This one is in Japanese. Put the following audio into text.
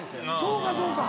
そうかそうか。